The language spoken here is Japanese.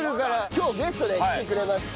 今日ゲストで来てくれました